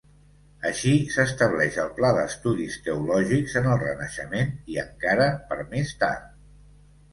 Així s'estableix el pla d'estudis teològics en el renaixement i encara per més tard.